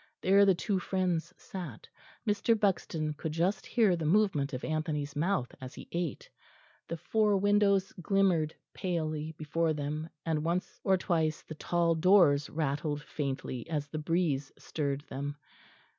There the two friends sat; Mr. Buxton could just hear the movement of Anthony's mouth as he ate. The four windows glimmered palely before them, and once or twice the tall doors rattled faintly as the breeze stirred them.